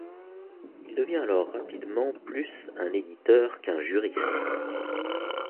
Il devient alors rapidement plus un éditeur qu'un juriste.